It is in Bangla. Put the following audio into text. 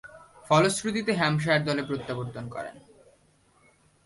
ফলশ্রুতিতে, হ্যাম্পশায়ার দলে প্রত্যাবর্তন করেন।